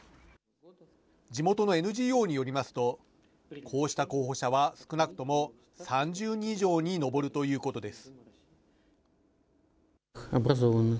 地元のＮＧＯによりますと、こうした候補者は少なくとも３０人以上に上るということです。